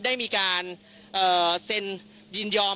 ได้มีการเซ็นยินยอม